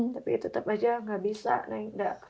tapi tetap aja gak bisa